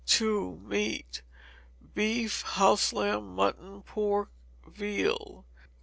ii. Meat. Beef, house lamb, mutton, pork, veal.